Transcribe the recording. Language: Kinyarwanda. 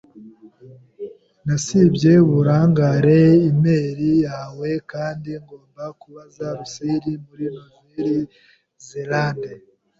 Nasibye uburangare e-imeri yawe kandi ngomba kubaza Russell muri Nouvelle-Zélande.